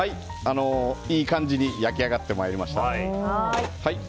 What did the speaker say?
いい感じに焼き上がってまいりました。